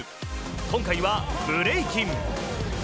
今回はブレイキン。